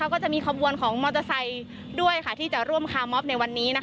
ก็จะมีขบวนของมอเตอร์ไซค์ด้วยที่จะร่วมคาร์มอฟในวันนี้